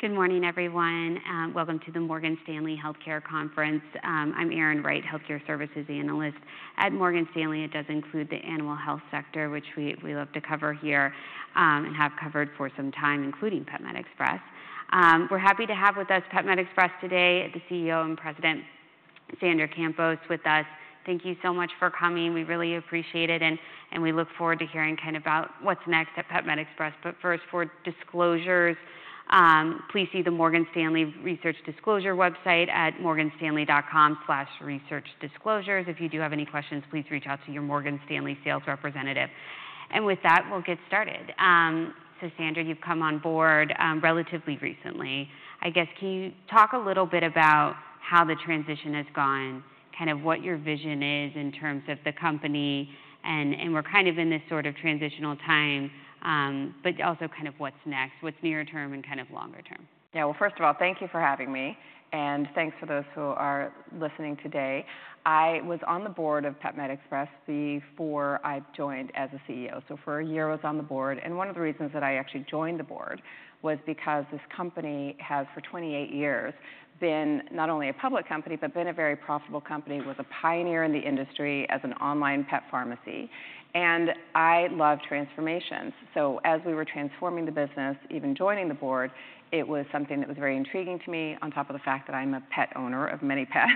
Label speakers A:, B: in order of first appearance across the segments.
A: Good morning, everyone, and welcome to the Morgan Stanley Healthcare Conference. I'm Erin Wright, Healthcare Services Analyst at Morgan Stanley. It does include the animal health sector, which we love to cover here, and have covered for some time, including PetMed Express. We're happy to have with us PetMed Express today, the CEO and President, Sandra Campos, with us. Thank you so much for coming. We really appreciate it, and we look forward to hearing kind about what's next at PetMed Express. But first, for disclosures, please see the Morgan Stanley Research Disclosure website at morganstanley.com/researchdisclosures. If you do have any questions, please reach out to your Morgan Stanley sales representative. And with that, we'll get started. So Sandra, you've come on board, relatively recently. I guess, can you talk a little bit about how the transition has gone, kind of what your vision is in terms of the company, and we're kind of in this sort of transitional time, but also kind of what's next, what's near term and kind of longer term?
B: Yeah, well, first of all, thank you for having me, and thanks to those who are listening today. I was on the board of PetMed Express before I joined as a CEO, so for a year I was on the board, and one of the reasons that I actually joined the board was because this company has, for 28 years, been not only a public company, but been a very profitable company, was a pioneer in the industry as an online pet pharmacy, and I love transformations, so as we were transforming the business, even joining the board, it was something that was very intriguing to me, on top of the fact that I'm a pet owner of many pets.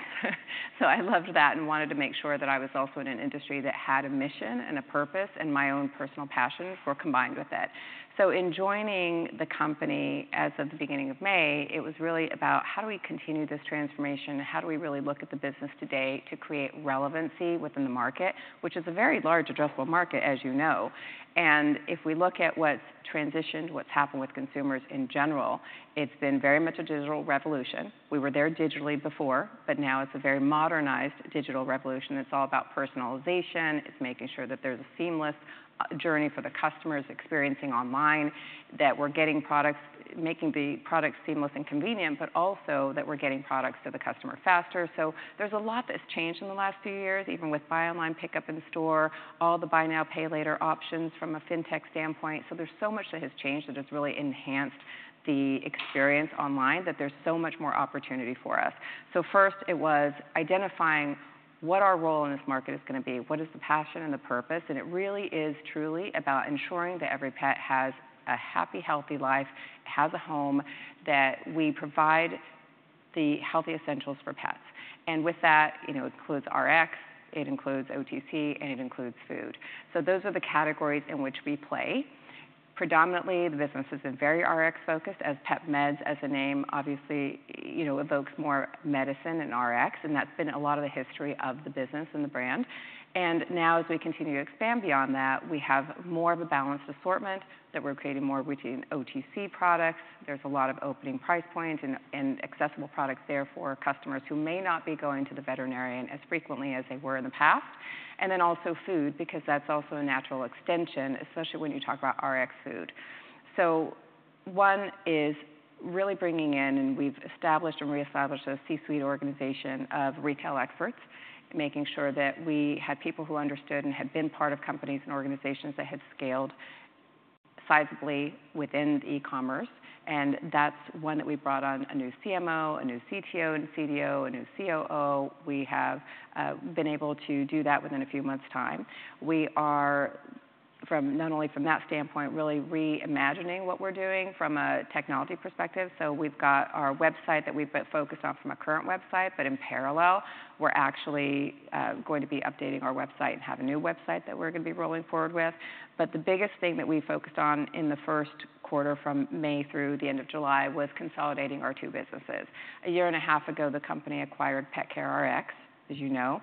B: I loved that and wanted to make sure that I was also in an industry that had a mission and a purpose, and my own personal passions were combined with it. So in joining the company as of the beginning of May, it was really about how do we continue this transformation? How do we really look at the business today to create relevancy within the market, which is a very large addressable market, as you know. And if we look at what's transitioned, what's happened with consumers in general, it's been very much a digital revolution. We were there digitally before, but now it's a very modernized digital revolution. It's all about personalization. It's making sure that there's a seamless journey for the customers experiencing online, that we're getting products... making the products seamless and convenient, but also that we're getting products to the customer faster. So there's a lot that's changed in the last few years, even with buy online, pickup in store, all the buy now, pay later options from a fintech standpoint. So there's so much that has changed that has really enhanced the experience online, that there's so much more opportunity for us. So first, it was identifying what our role in this market is gonna be. What is the passion and the purpose? And it really is truly about ensuring that every pet has a happy, healthy life, has a home, that we provide the healthy essentials for pets. And with that, you know, it includes Rx, it includes OTC, and it includes food. So those are the categories in which we play. Predominantly, the business has been very Rx-focused, as PetMeds, as a name, obviously, you know, evokes more medicine and Rx, and that's been a lot of the history of the business and the brand. And now, as we continue to expand beyond that, we have more of a balanced assortment, that we're creating more between OTC products. There's a lot of opening price point and accessible products there for customers who may not be going to the veterinarian as frequently as they were in the past. And then also food, because that's also a natural extension, especially when you talk about Rx food. So one is really bringing in, and we've established and reestablished a C-suite organization of retail experts, making sure that we had people who understood and had been part of companies and organizations that had scaled sizably within e-commerce, and that's one that we brought on, a new CMO, a new CTO and CDO, a new COO. We have been able to do that within a few months' time. We are not only from that standpoint, really reimagining what we're doing from a technology perspective. So we've got our website that we've been focused on from a current website, but in parallel, we're actually going to be updating our website and have a new website that we're gonna be rolling forward with. But the biggest thing that we focused on in the first quarter, from May through the end of July, was consolidating our two businesses. A year and a half ago, the company acquired PetCareRx, as you know,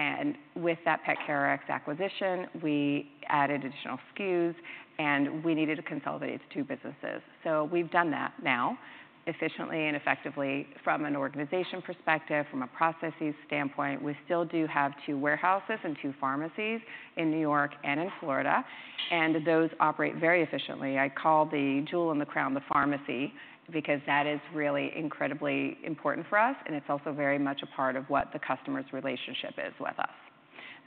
B: and with that PetCareRx acquisition, we added additional SKUs, and we needed to consolidate two businesses. So we've done that now, efficiently and effectively from an organization perspective, from a processes standpoint. We still do have two warehouses and two pharmacies in New York and in Florida, and those operate very efficiently. I call the jewel in the crown the pharmacy, because that is really incredibly important for us, and it's also very much a part of what the customer's relationship is with us.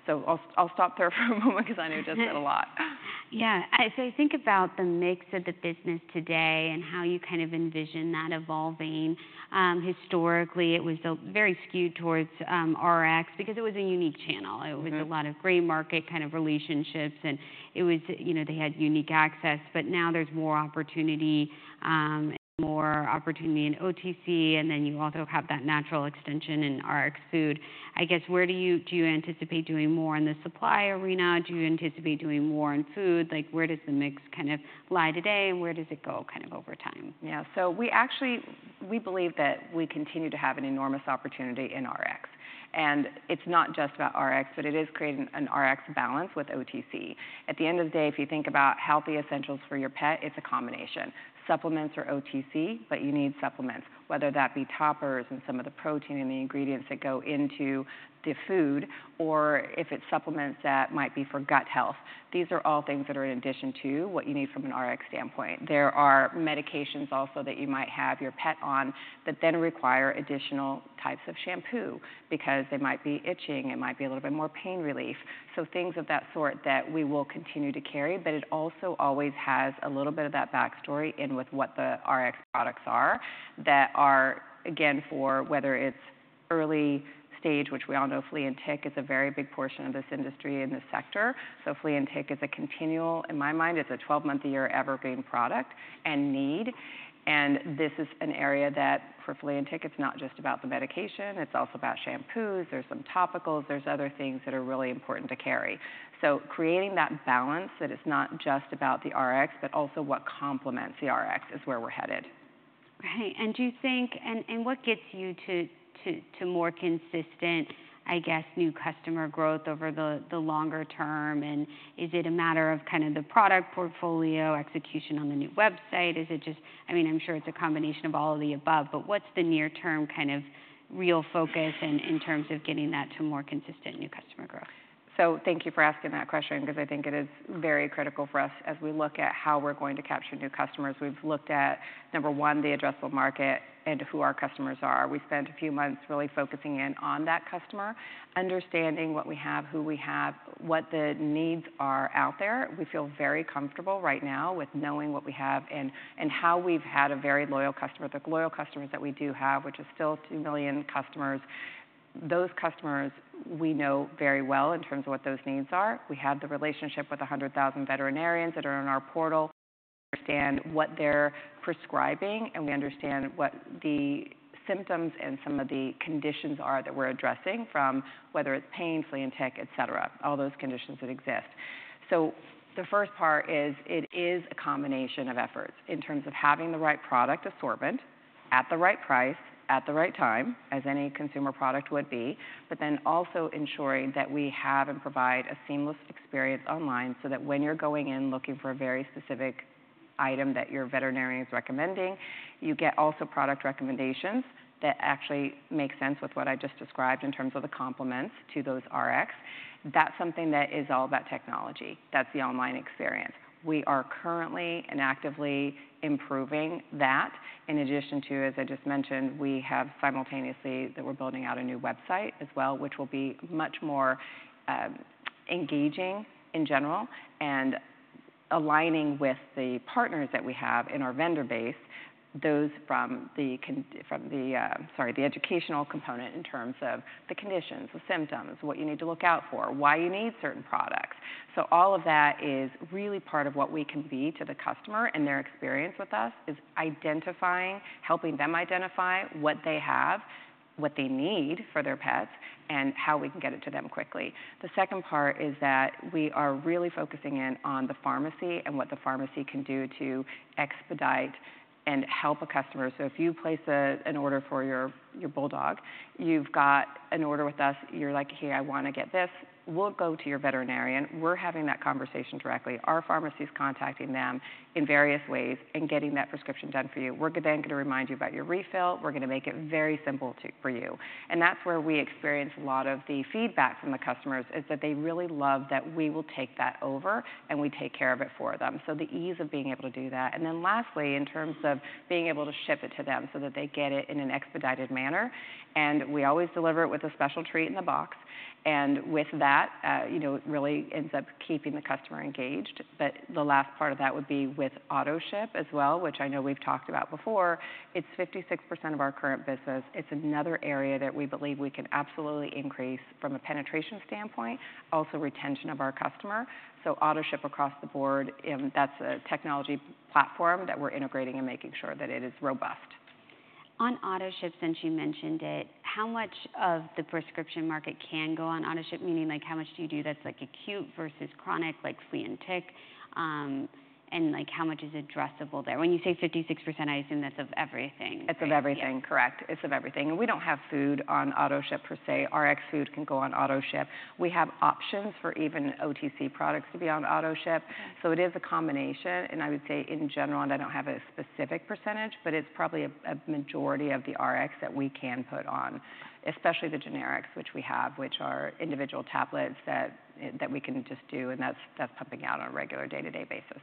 B: So I'll, I'll stop there for a moment because I know I just said a lot.
A: Yeah. As I think about the mix of the business today and how you kind of envision that evolving, historically, it was very skewed towards Rx because it was a unique channel.
B: Mm-hmm.
A: It was a lot of gray market kind of relationships, and it was you know, they had unique access, but now there's more opportunity, and more opportunity in OTC, and then you also have that natural extension in Rx food. I guess, where do you anticipate doing more in the supply arena? Do you anticipate doing more in food? Like, where does the mix kind of lie today, and where does it go kind of over time?
B: Yeah. So we actually believe that we continue to have an enormous opportunity in Rx. And it's not just about Rx, but it is creating an Rx balance with OTC. At the end of the day, if you think about healthy essentials for your pet, it's a combination. Supplements are OTC, but you need supplements, whether that be toppers and some of the protein and the ingredients that go into the food, or if it's supplements that might be for gut health. These are all things that are in addition to what you need from an Rx standpoint. There are medications also that you might have your pet on that then require additional types of shampoo because they might be itching. It might be a little bit more pain relief. So things of that sort that we will continue to carry, but it also always has a little bit of that backstory in with what the Rx products are, that are, again, for whether it's early stage, which we all know flea and tick is a very big portion of this industry and this sector. So flea and tick is a continual, in my mind, it's a twelve-month-a-year evergreen product and need, and this is an area that for flea and tick, it's not just about the medication, it's also about shampoos, there's some topicals, there's other things that are really important to carry. So creating that balance, that it's not just about the Rx, but also what complements the Rx, is where we're headed.
A: Right. And do you think what gets you to more consistent, I guess, new customer growth over the longer term? And is it a matter of kind of the product portfolio, execution on the new website? Is it just... I mean, I'm sure it's a combination of all of the above, but what's the near-term kind of real focus in terms of getting that to more consistent new customer growth?
B: Thank you for asking that question because I think it is very critical for us as we look at how we're going to capture new customers. We've looked at, number one, the addressable market and who our customers are. We spent a few months really focusing in on that customer, understanding what we have, who we have, what the needs are out there. We feel very comfortable right now with knowing what we have and how we've had a very loyal customer. The loyal customers that we do have, which is still two million customers, those customers we know very well in terms of what those needs are. We have the relationship with 100,000 veterinarians that are in our portal. We understand what they're prescribing, and we understand what the symptoms and some of the conditions are that we're addressing, from whether it's pain, flea and tick, et cetera, all those conditions that exist. So the first part is, it is a combination of efforts in terms of having the right product assortment, at the right price, at the right time, as any consumer product would be, but then also ensuring that we have and provide a seamless experience online, so that when you're going in looking for a very specific item that your veterinarian is recommending, you get also product recommendations that actually make sense with what I just described in terms of the complements to those Rx. That's something that is all about technology. That's the online experience. We are currently and actively improving that. In addition to, as I just mentioned, we have simultaneously that we're building out a new website as well, which will be much more, engaging in general, and aligning with the partners that we have in our vendor base, those from the educational component in terms of the conditions, the symptoms, what you need to look out for, why you need certain products. So all of that is really part of what we can be to the customer, and their experience with us, is identifying, helping them identify what they have, what they need for their pets, and how we can get it to them quickly. The second part is that we are really focusing in on the pharmacy and what the pharmacy can do to expedite and help a customer. So if you place an order for your bulldog, you've got an order with us, you're like: "Hey, I want to get this," we'll go to your veterinarian. We're having that conversation directly. Our pharmacy's contacting them in various ways and getting that prescription done for you. We're then going to remind you about your refill. We're going to make it very simple for you. And that's where we experience a lot of the feedback from the customers, is that they really love that we will take that over, and we take care of it for them. The ease of being able to do that. And then lastly, in terms of being able to ship it to them so that they get it in an expedited manner, and we always deliver it with a special treat in the box, and with that, you know, it really ends up keeping the customer engaged. But the last part of that would be with Autoship as well, which I know we've talked about before. It's 56% of our current business. It's another area that we believe we can absolutely increase from a penetration standpoint, also retention of our customer. So Autoship across the board, that's a technology platform that we're integrating and making sure that it is robust.
A: On Autoship, since you mentioned it, how much of the prescription market can go on Autoship? Meaning, like, how much do you do that's, like, acute versus chronic, like flea and tick, and, like, how much is addressable there? When you say 56%, I assume that's of everything.
B: It's of everything, correct. It's of everything, and we don't have food on Autoship per se. Rx food can go on Autoship. We have options for even OTC products to be on Autoship.
A: Okay.
B: So it is a combination, and I would say in general, and I don't have a specific percentage, but it's probably a majority of the Rx that we can put on, especially the generics, which we have, which are individual tablets that we can just do, and that's pumping out on a regular day-to-day basis.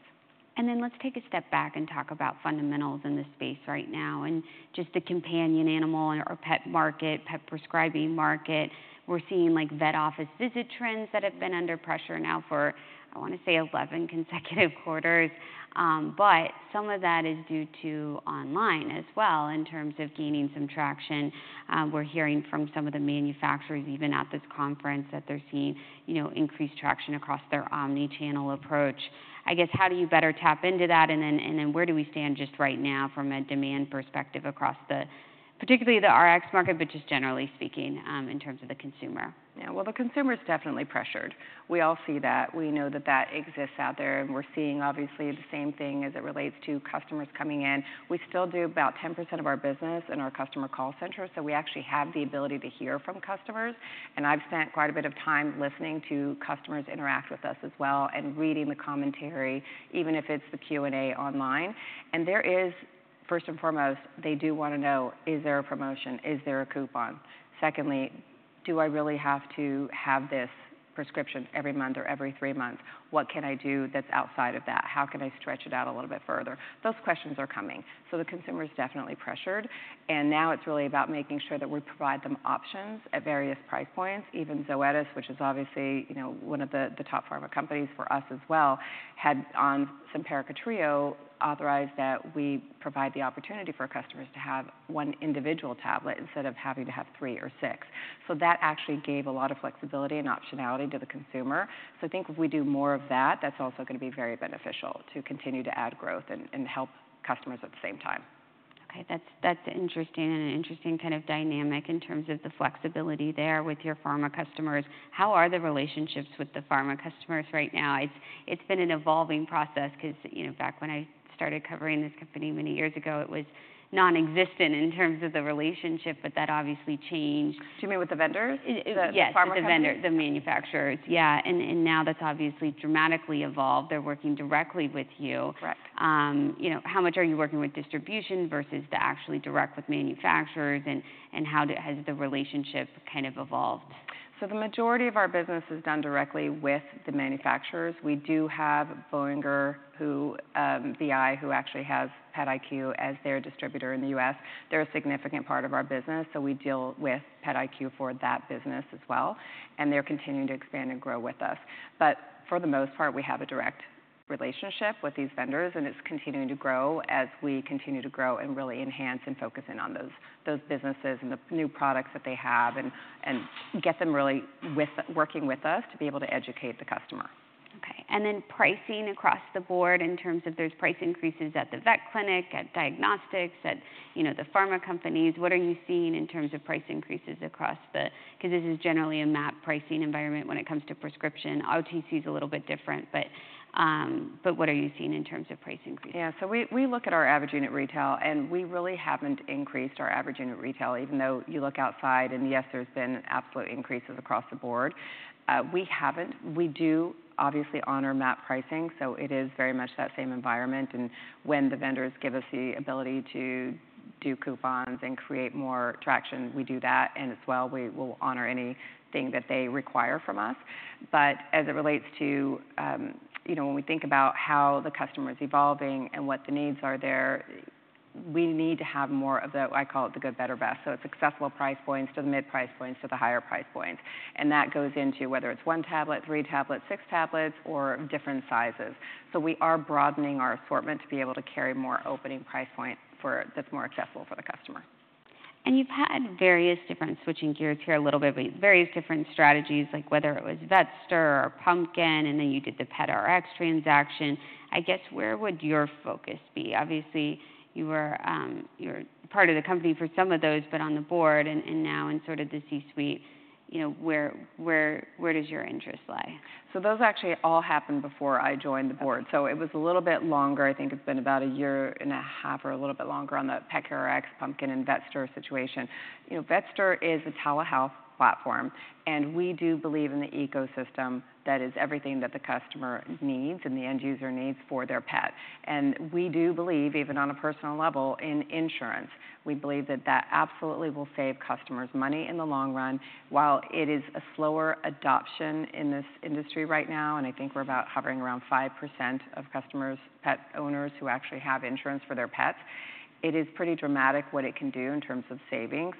A: And then let's take a step back and talk about fundamentals in this space right now, and just the companion animal or pet market, pet prescribing market. We're seeing, like, vet office visit trends that have been under pressure now for, I want to say, 11 consecutive quarters. But some of that is due to online as well, in terms of gaining some traction. We're hearing from some of the manufacturers, even at this conference, that they're seeing, you know, increased traction across their omni-channel approach. I guess, how do you better tap into that, and then, and then where do we stand just right now from a demand perspective across the, particularly the Rx market, but just generally speaking, in terms of the consumer?
B: Yeah. Well, the consumer is definitely pressured. We all see that. We know that that exists out there, and we're seeing, obviously, the same thing as it relates to customers coming in. We still do about 10% of our business in our customer call center, so we actually have the ability to hear from customers, and I've spent quite a bit of time listening to customers interact with us as well and reading the commentary, even if it's the Q&A online. And there is, first and foremost, they do want to know: Is there a promotion? Is there a coupon? Secondly, do I really have to have this prescription every month or every three months? What can I do that's outside of that? How can I stretch it out a little bit further? Those questions are coming, so the consumer is definitely pressured, and now it's really about making sure that we provide them options at various price points. Even Zoetis, which is obviously, you know, one of the, the top pharma companies for us as well, had on Simparica Trio, authorized that we provide the opportunity for customers to have one individual tablet instead of having to have three or six. So that actually gave a lot of flexibility and optionality to the consumer. So I think if we do more of that, that's also gonna be very beneficial to continue to add growth and help customers at the same time.
A: Okay, that's interesting, and an interesting kind of dynamic in terms of the flexibility there with your pharma customers. How are the relationships with the pharma customers right now? It's been an evolving process 'cause, you know, back when I started covering this company many years ago, it was nonexistent in terms of the relationship, but that obviously changed.
B: Do you mean with the vendors?
A: Yes.
B: The pharma companies?
A: the vendors, the manufacturers, yeah. And now that's obviously dramatically evolved. They're working directly with you.
B: Correct.
A: You know, how much are you working with distribution versus the actually direct with manufacturers, and how has the relationship kind of evolved?
B: The majority of our business is done directly with the manufacturers. We do have Boehringer who, BI, who actually has PetIQ as their distributor in the U.S. They're a significant part of our business, so we deal with PetIQ for that business as well, and they're continuing to expand and grow with us. But for the most part, we have a direct relationship with these vendors, and it's continuing to grow as we continue to grow and really enhance and focus in on those businesses and the new products that they have, and get them really working with us to be able to educate the customer.
A: Okay, and then pricing across the board in terms of those price increases at the vet clinic, at diagnostics, at, you know, the pharma companies. What are you seeing in terms of price increases across the... 'Cause this is generally a MAP pricing environment when it comes to prescription. OTC is a little bit different, but what are you seeing in terms of price increases?
B: Yeah, so we look at our average unit retail, and we really haven't increased our average unit retail, even though you look outside and, yes, there's been absolute increases across the board. We haven't. We do obviously honor MAP pricing, so it is very much that same environment, and when the vendors give us the ability to do coupons and create more traction, we do that, and as well, we will honor anything that they require from us. But as it relates to, you know, when we think about how the customer is evolving and what the needs are there, we need to have more of the, I call it the good, better, best. So it's accessible price points to the mid-price points to the higher price point. And that goes into whether it's one tablet, three tablets, six tablets, or different sizes. We are broadening our assortment to be able to carry more opening price point that's more accessible for the customer.
A: Switching gears here a little bit, but you've had various different strategies, like whether it was Vetster or Pumpkin, and then you did the PetRx transaction. I guess, where would your focus be? Obviously, you were part of the company for some of those, but on the board and now in sort of the C-suite, you know, where does your interest lie?
B: Those actually all happened before I joined the board.
A: Okay.
B: So it was a little bit longer. I think it's been about a year and a half or a little bit longer on the PetCareRx, Pumpkin, and Vetster situation. You know, Vetster is a telehealth platform, and we do believe in the ecosystem that is everything that the customer needs and the end user needs for their pet. And we do believe, even on a personal level, in insurance. We believe that that absolutely will save customers money in the long run. While it is a slower adoption in this industry right now, and I think we're about hovering around 5% of customers, pet owners, who actually have insurance for their pets, it is pretty dramatic what it can do in terms of savings.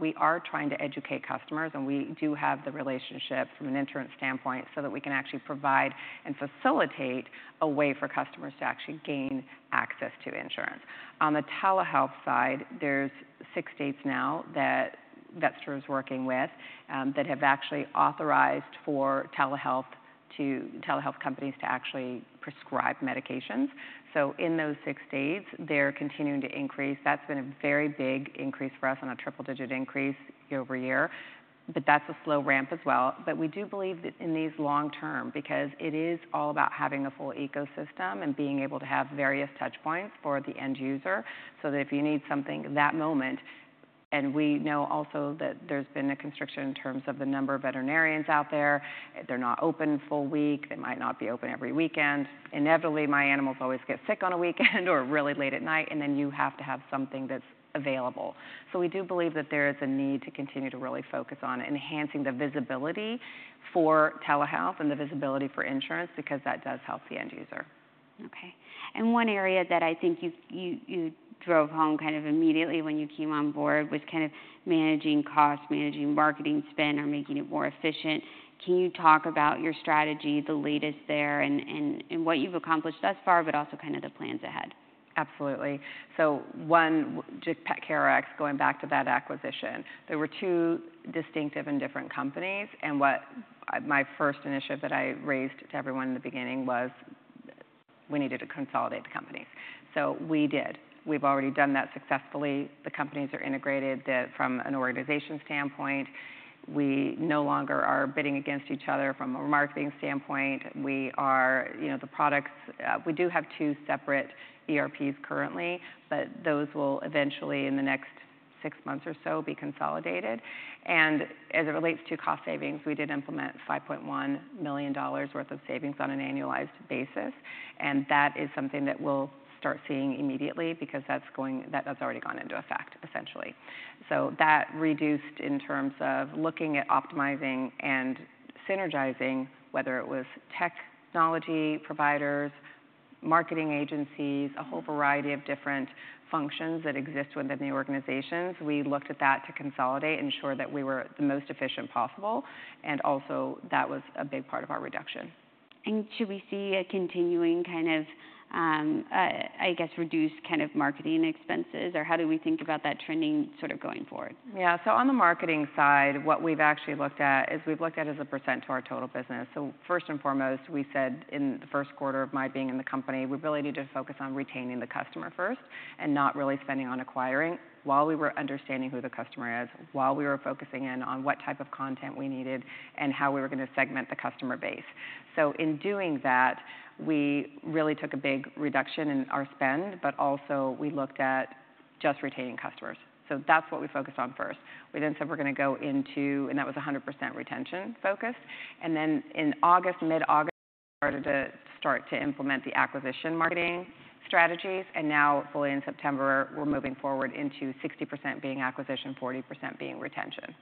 B: We are trying to educate customers, and we do have the relationship from an insurance standpoint so that we can actually provide and facilitate a way for customers to actually gain access to insurance. On the telehealth side, there's six states now that Vetster is working with, that have actually authorized for telehealth companies to actually prescribe medications. In those six states, they're continuing to increase. That's been a very big increase for us and a triple-digit increase year-over-year, but that's a slow ramp as well. We do believe that in these long term, because it is all about having a full ecosystem and being able to have various touch points for the end user, so that if you need something that moment... We know also that there's been a constriction in terms of the number of veterinarians out there. They're not open full week. They might not be open every weekend. Inevitably, my animals always get sick on a weekend or really late at night, and then you have to have something that's available. So we do believe that there is a need to continue to really focus on enhancing the visibility for telehealth and the visibility for insurance, because that does help the end user.
A: Okay. And one area that I think you drove home kind of immediately when you came on board was kind of managing costs, managing marketing spend, or making it more efficient. Can you talk about your strategy, the latest there, and what you've accomplished thus far, but also kind of the plans ahead?
B: Absolutely. So one, just PetCareRx, going back to that acquisition, there were two distinctive and different companies, and what, my first initiative that I raised to everyone in the beginning was we needed to consolidate the company. So we did. We've already done that successfully. The companies are integrated. From an organization standpoint, we no longer are bidding against each other from a marketing standpoint. We are. You know, the products, we do have two separate ERPs currently, but those will eventually, in the next six months or so, be consolidated. And as it relates to cost savings, we did implement $5.1 million worth of savings on an annualized basis, and that is something that we'll start seeing immediately because that's going, that has already gone into effect, essentially. So that reduced in terms of looking at optimizing and synergizing, whether it was technology providers, marketing agencies, a whole variety of different functions that exist within the organizations. We looked at that to consolidate, ensure that we were the most efficient possible, and also that was a big part of our reduction.
A: Should we see a continuing kind of, I guess, reduced kind of marketing expenses, or how do we think about that trending sort of going forward?
B: Yeah. So on the marketing side, what we've actually looked at is we've looked at as a percent to our total business, so first and foremost, we said in the first quarter of my being in the company, we really need to focus on retaining the customer first and not really spending on acquiring, while we were understanding who the customer is, while we were focusing in on what type of content we needed and how we were going to segment the customer base, so in doing that, we really took a big reduction in our spend, but also we looked at just retaining customers, so that's what we focused on first. We then said we're going to go into, and that was 100% retention focus. And then in August, mid-August, we started to implement the acquisition marketing strategies, and now fully in September, we're moving forward into 60% being acquisition, 40% being retention.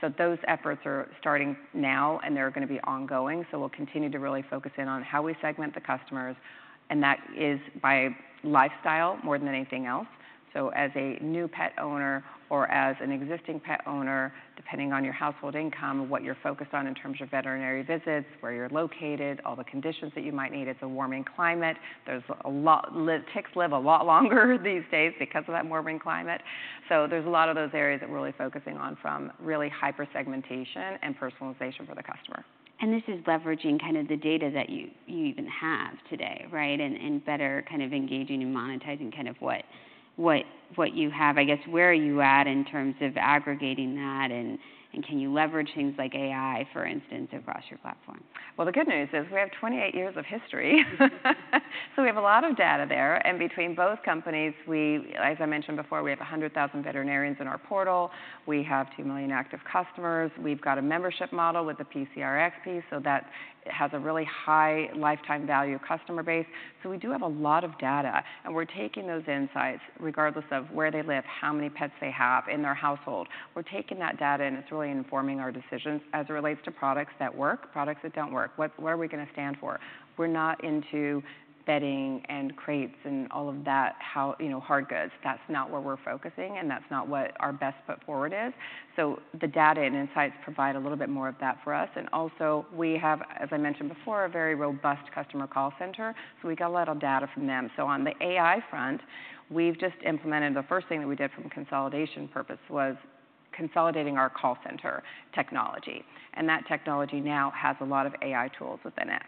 B: So those efforts are starting now, and they're going to be ongoing. So we'll continue to really focus in on how we segment the customers, and that is by lifestyle more than anything else. So as a new pet owner or as an existing pet owner, depending on your household income, what you're focused on in terms of veterinary visits, where you're located, all the conditions that you might need. It's a warming climate. There's a lot. Ticks live a lot longer these days because of that warming climate. So there's a lot of those areas that we're really focusing on from really hyper segmentation and personalization for the customer.
A: This is leveraging kind of the data that you even have today, right, and better kind of engaging and monetizing kind of what you have. I guess, where are you at in terms of aggregating that, and can you leverage things like AI, for instance, across your platform?
B: The good news is we have 28 years of history. We have a lot of data there, and between both companies, we, as I mentioned before, we have 100,000 veterinarians in our portal. We have 2 million active customers. We've got a membership model with the PCRXP, so that has a really high lifetime value customer base. We do have a lot of data, and we're taking those insights, regardless of where they live, how many pets they have in their household. We're taking that data, and it's really informing our decisions as it relates to products that work, products that don't work. What, where are we going to stand for? We're not into bedding and crates and all of that, how, you know, hard goods. That's not where we're focusing, and that's not what our best foot forward is. The data and insights provide a little bit more of that for us. We also have, as I mentioned before, a very robust customer call center, so we get a lot of data from them. On the AI front, we've just implemented. The first thing that we did from a consolidation purpose was consolidating our call center technology, and that technology now has a lot of AI tools within it.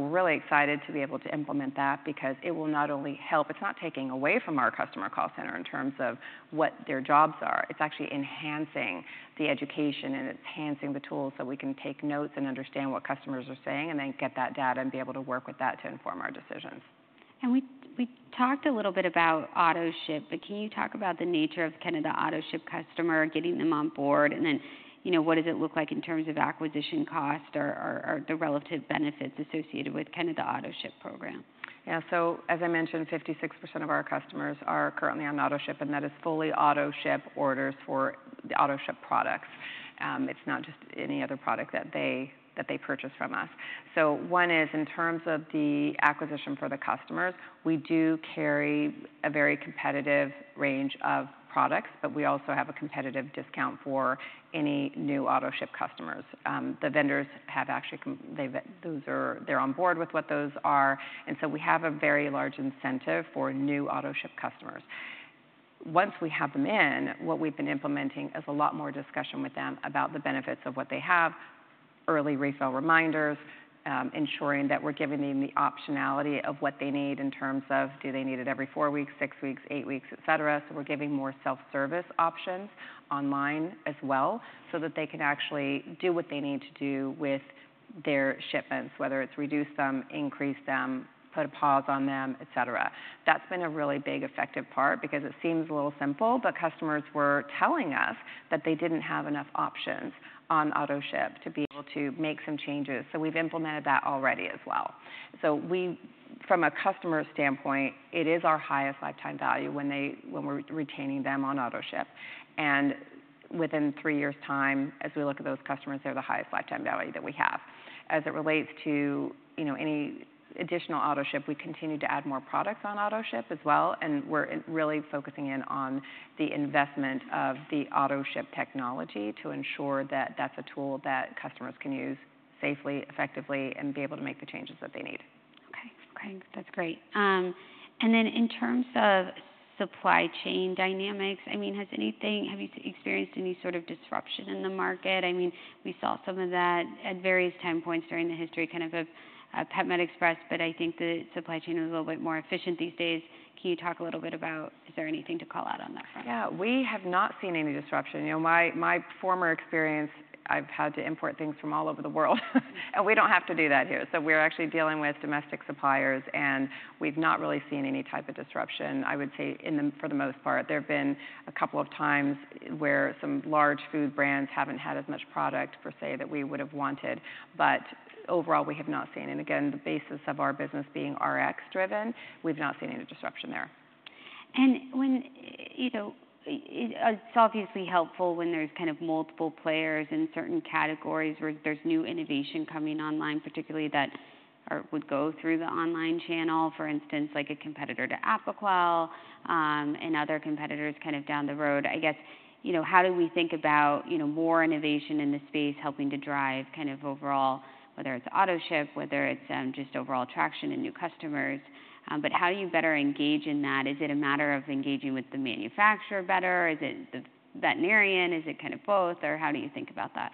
B: We're really excited to be able to implement that because it will not only help. It's not taking away from our customer call center in terms of what their jobs are. It's actually enhancing the education and enhancing the tools so we can take notes and understand what customers are saying, and then get that data and be able to work with that to inform our decisions.
A: We talked a little bit about Autoship, but can you talk about the nature of kind of the Autoship customer, getting them on board? And then, you know, what does it look like in terms of acquisition cost or the relative benefits associated with kind of the Autoship program?
B: Yeah, so as I mentioned, 56% of our customers are currently on Autoship, and that is fully Autoship orders for the Autoship products. It's not just any other product that they, that they purchase from us. So one is, in terms of the acquisition for the customers, we do carry a very competitive range of products, but we also have a competitive discount for any new Autoship customers. The vendors have actually come on board with what those are, and so we have a very large incentive for new Autoship customers. Once we have them in, what we've been implementing is a lot more discussion with them about the benefits of what they have, early refill reminders, ensuring that we're giving them the optionality of what they need in terms of do they need it every four weeks, six weeks, eight weeks, et cetera. We're giving more self-service options online as well, so that they can actually do what they need to do with their shipments, whether it's reduce them, increase them, put a pause on them, et cetera. That's been a really big effective part because it seems a little simple, but customers were telling us that they didn't have enough options on Autoship to be able to make some changes. We've implemented that already as well. So we, from a customer standpoint, it is our highest lifetime value when we're retaining them on autoship. And within three years' time, as we look at those customers, they're the highest lifetime value that we have. As it relates to, you know, any additional autoship, we continue to add more products on autoship as well, and we're really focusing in on the investment of the autoship technology to ensure that that's a tool that customers can use safely, effectively, and be able to make the changes that they need.
A: Okay. Okay, that's great. And then in terms of supply chain dynamics, I mean, have you experienced any sort of disruption in the market? I mean, we saw some of that at various time points during the history, kind of, of PetMed Express, but I think the supply chain is a little bit more efficient these days. Can you talk a little bit about... Is there anything to call out on that front?
B: Yeah, we have not seen any disruption. You know, my former experience, I've had to import things from all over the world, and we don't have to do that here. So we're actually dealing with domestic suppliers, and we've not really seen any type of disruption, I would say, in the, for the most part. There have been a couple of times where some large food brands haven't had as much product, per se, that we would have wanted, but overall, we have not seen, and again, the basis of our business being Rx driven, we've not seen any disruption there....
A: And when, you know, it, it's obviously helpful when there's kind of multiple players in certain categories, where there's new innovation coming online, particularly that would go through the online channel. For instance, like a competitor to Apoquel, and other competitors kind of down the road. I guess, you know, how do we think about, you know, more innovation in the space helping to drive kind of overall, whether it's autoship, whether it's just overall traction and new customers? But how do you better engage in that? Is it a matter of engaging with the manufacturer better? Is it the veterinarian? Is it kind of both, or how do you think about that?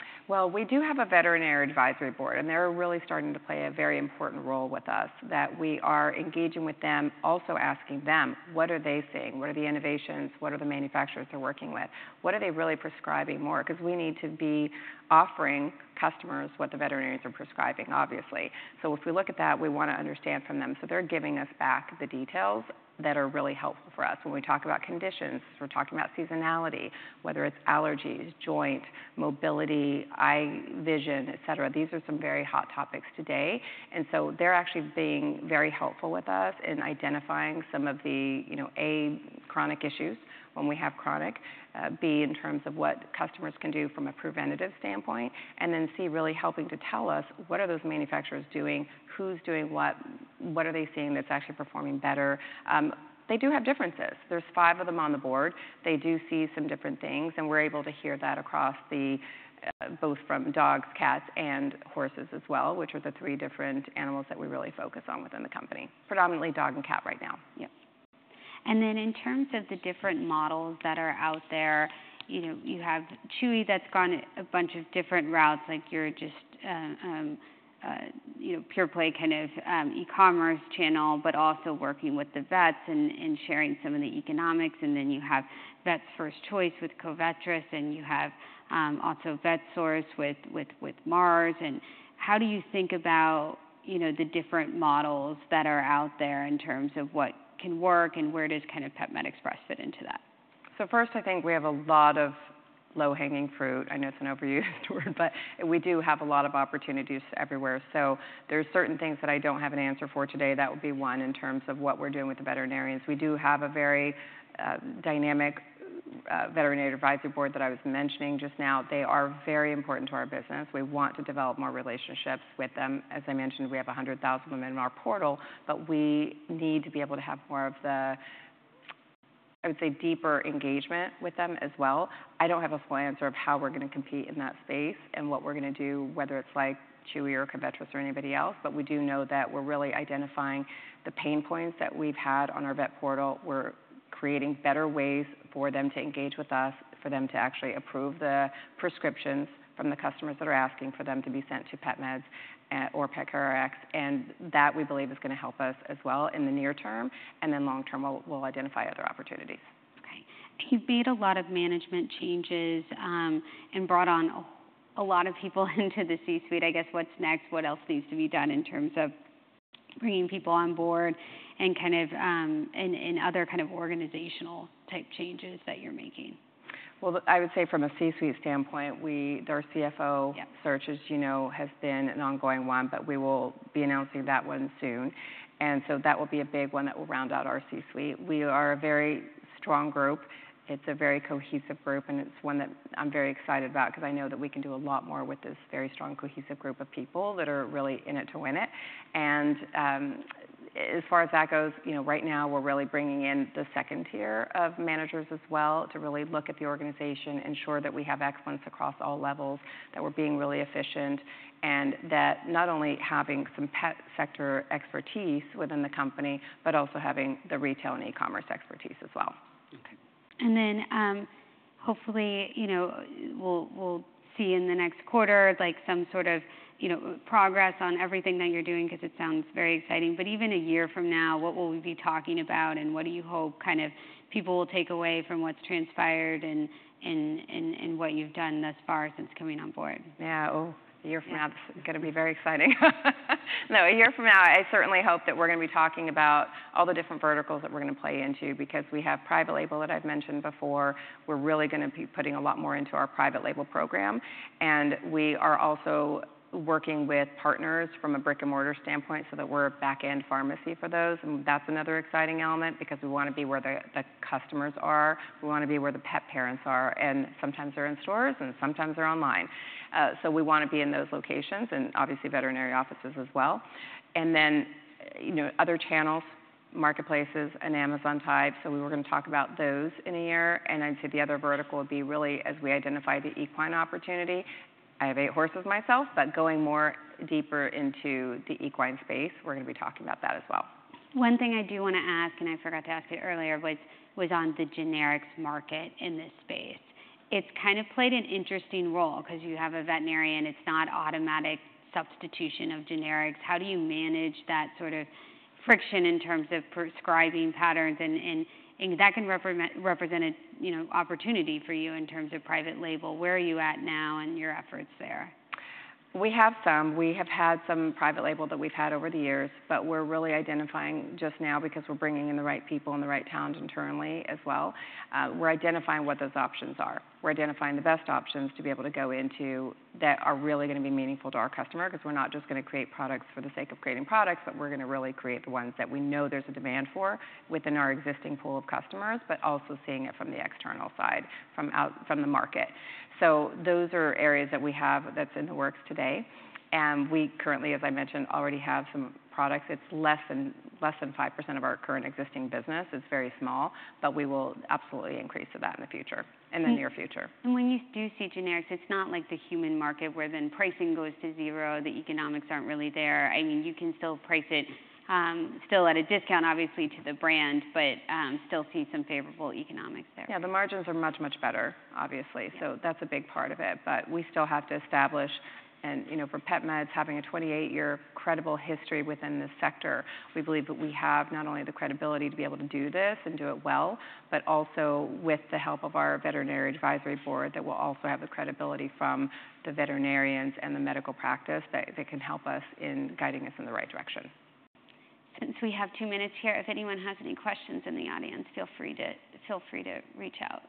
B: We do have a veterinary advisory board, and they're really starting to play a very important role with us, that we are engaging with them, also asking them: What are they seeing? What are the innovations? What are the manufacturers they're working with? What are they really prescribing more? Because we need to be offering customers what the veterinarians are prescribing, obviously. So if we look at that, we want to understand from them. So they're giving us back the details that are really helpful for us. When we talk about conditions, we're talking about seasonality, whether it's allergies, joint, mobility, eye vision, et cetera. These are some very hot topics today, and so they're actually being very helpful with us in identifying some of the, you know, A, chronic issues, when we have chronic, B, in terms of what customers can do from a preventative standpoint, and then, C, really helping to tell us what are those manufacturers doing, who's doing what, what are they seeing that's actually performing better? They do have differences. There's five of them on the board. They do see some different things, and we're able to hear that across the both from dogs, cats, and horses as well, which are the three different animals that we really focus on within the company. Predominantly dog and cat right now. Yep.
A: And then, in terms of the different models that are out there, you know, you have Chewy that's gone a bunch of different routes, like you're just, you know, pure play, kind of, e-commerce channel, but also working with the vets and sharing some of the economics. And then you have Vets First Choice with Covetrus, and you have, also VetSource with Mars. And how do you think about, you know, the different models that are out there in terms of what can work and where does kind of PetMed Express fit into that?
B: So first, I think we have a lot of low-hanging fruit. I know it's an overused word, but we do have a lot of opportunities everywhere. So there's certain things that I don't have an answer for today. That would be one, in terms of what we're doing with the veterinarians. We do have a very dynamic veterinary advisory board that I was mentioning just now. They are very important to our business. We want to develop more relationships with them. As I mentioned, we have one hundred thousand of them in our portal, but we need to be able to have more of the, I would say, deeper engagement with them as well. I don't have a full answer of how we're going to compete in that space and what we're going to do, whether it's like Chewy or Covetrus or anybody else, but we do know that we're really identifying the pain points that we've had on our vet portal. We're creating better ways for them to engage with us, for them to actually approve the prescriptions from the customers that are asking for them to be sent to PetMeds or PetCareRx, and that, we believe, is going to help us as well in the near term, and then long term, we'll identify other opportunities.
A: Okay. You've made a lot of management changes, and brought on a lot of people into the C-suite. I guess what's next? What else needs to be done in terms of bringing people on board and kind of, and other kind of organizational-type changes that you're making?
B: I would say from a C-suite standpoint, we, our CFO-
A: Yeah...
B: search, as you know, has been an ongoing one, but we will be announcing that one soon. And so that will be a big one that will round out our C-suite. We are a very strong group. It's a very cohesive group, and it's one that I'm very excited about because I know that we can do a lot more with this very strong, cohesive group of people that are really in it to win it. And, as far as that goes, you know, right now, we're really bringing in the second tier of managers as well, to really look at the organization, ensure that we have excellence across all levels, that we're being really efficient, and that not only having some pet sector expertise within the company, but also having the retail and e-commerce expertise as well.
A: Okay. And then, hopefully, you know, we'll see in the next quarter, like some sort of, you know, progress on everything that you're doing, because it sounds very exciting. But even a year from now, what will we be talking about, and what do you hope kind of people will take away from what's transpired and what you've done thus far since coming on board?
B: Yeah. Oh, a year from now, it's gonna be very exciting. No, a year from now, I certainly hope that we're going to be talking about all the different verticals that we're going to play into because we have private label that I've mentioned before. We're really going to be putting a lot more into our private label program, and we are also working with partners from a brick-and-mortar standpoint so that we're a back-end pharmacy for those. And that's another exciting element because we want to be where the customers are. We want to be where the pet parents are, and sometimes they're in stores, and sometimes they're online, so we want to be in those locations and obviously veterinary offices as well. Then, you know, other channels, marketplaces and Amazon type, so we were going to talk about those in a year, and I'd say the other vertical would be really as we identify the equine opportunity. I have eight horses myself, but going more deeper into the equine space, we're going to be talking about that as well.
A: One thing I do want to ask, and I forgot to ask it earlier, was on the generics market in this space. It's kind of played an interesting role because you have a veterinarian. It's not automatic substitution of generics. How do you manage that sort of friction in terms of prescribing patterns, and that can represent a, you know, opportunity for you in terms of private label. Where are you at now in your efforts there?
B: We have some. We have had some private label that we've had over the years, but we're really identifying just now because we're bringing in the right people and the right talent internally as well. We're identifying what those options are. We're identifying the best options to be able to go into, that are really going to be meaningful to our customer, because we're not just going to create products for the sake of creating products, but we're going to really create the ones that we know there's a demand for within our existing pool of customers, but also seeing it from the external side, from the market. So those are areas that we have that's in the works today, and we currently, as I mentioned, already have some products. It's less than 5% of our current existing business. It's very small, but we will absolutely increase to that in the future, in the near future.
A: When you do see generics, it's not like the human market, where then pricing goes to zero, the economics aren't really there. I mean, you can still price it, still at a discount, obviously, to the brand, but still see some favorable economics there.
B: Yeah, the margins are much, much better, obviously.
A: Yeah.
B: So that's a big part of it, but we still have to establish. And, you know, for PetMeds, having a twenty-eight-year credible history within the sector, we believe that we have not only the credibility to be able to do this and do it well, but also with the help of our veterinary advisory board, that we'll also have the credibility from the veterinarians and the medical practice that, that can help us in guiding us in the right direction.
A: Since we have two minutes here, if anyone has any questions in the audience, feel free to, feel free to reach out.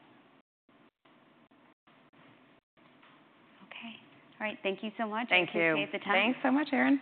A: Okay. All right. Thank you so much.
B: Thank you.
A: I appreciate the time.
B: Thanks so much, Erin.